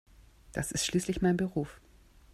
Das ist schließlich mein Beruf.